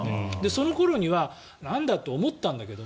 その頃にはなんだって思ったんだけど。